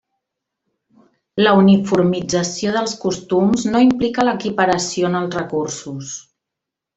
La uniformització dels costums no implica l'equiparació en els recursos.